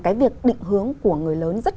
cái việc định hướng của người lớn rất